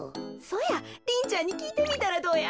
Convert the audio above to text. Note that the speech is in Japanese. そやリンちゃんにきいてみたらどや？